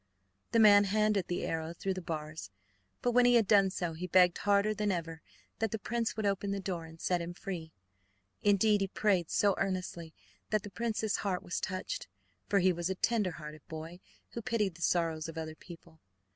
The man handed the arrow through the bars, but when he had done so he begged harder than ever that the prince would open the door and set him free. Indeed, he prayed so earnestly that the prince's heart was touched, for he was a tender hearted boy who pitied the sorrows of other people.